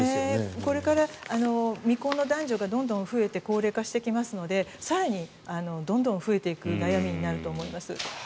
これから未婚の男女がどんどん増えて高齢化してきますので更にどんどん増えていく悩みになると思います。